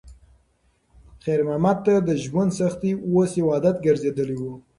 خیر محمد ته د ژوند سختۍ اوس یو عادت ګرځېدلی و.